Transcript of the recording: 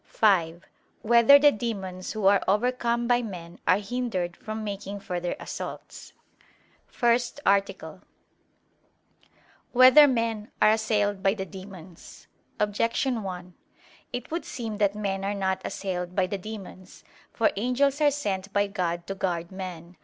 (5) Whether the demons who are overcome by men, are hindered from making further assaults? _______________________ FIRST ARTICLE [I, Q. 114, Art. 1] Whether Men Are Assailed by the Demons? Objection 1: It would seem that men are not assailed by the demons. For angels are sent by God to guard man.